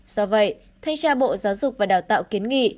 do vậy thanh tra bộ giáo dục và đào tạo kiến nghị